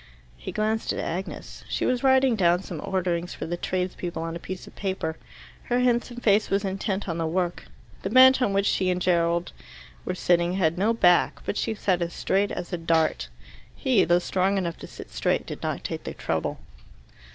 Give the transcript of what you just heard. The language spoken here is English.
He glanced at Agnes. She was writing down some orderings for the tradespeople on a piece of paper. Her handsome face was intent on the work. The bench on which she and Gerald were sitting had no back, but she sat as straight as a dart. He, though strong enough to sit straight, did not take the trouble.